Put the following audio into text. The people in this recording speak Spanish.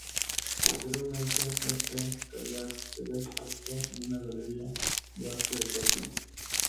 Posteriormente, este Kayak sería expuesto en una galería de arte de Tokio.